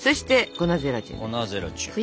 粉ゼラチン。